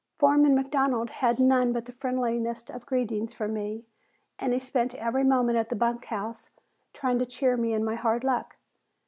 Foreman McDonald had none but the friendliest of greetings for me and he spent many moments at the bunk house trying to cheer me in my hard luck.